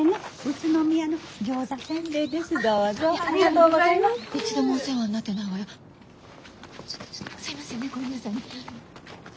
ちょっとすいませんねごめんなさいね。